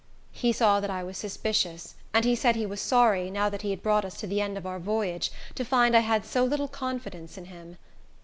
He saw that I was suspicious, and he said he was sorry, now that he had brought us to the end of our voyage, to find I had so little confidence in him.